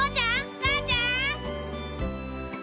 母ちゃん？